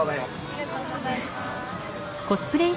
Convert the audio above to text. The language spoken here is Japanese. ありがとうございます。